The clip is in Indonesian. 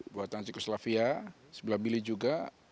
buatan cikus lavia sembilan mili juga